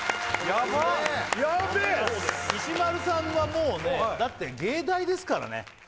やべえ石丸さんはもうねだって藝大ですからね